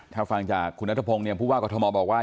ถ้าฟังจากคุณนัทธพงธ์ผู้บ้างพ่อทธมรอบว่า